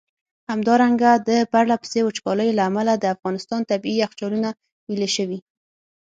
همدارنګه د پرله پسي وچکالیو له امله د افغانستان ٪ طبیعي یخچالونه ویلي شوي.